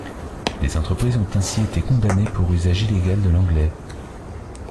Des entreprises ont ainsi été condamnées pour usage illégal de l'anglais.